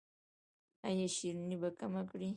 ایا شیریني به کمه کړئ؟